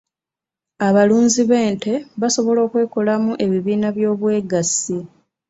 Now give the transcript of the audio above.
Abalunzi b'ente basobola okwekolamu ebibiina by'obwegassi.